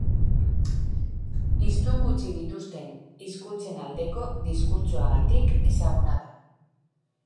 Hiztun gutxi dituzten hizkuntzen aldeko diskurtsoagatik ezaguna da.